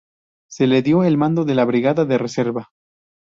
Se le dio el mando de la Brigada de Reserva.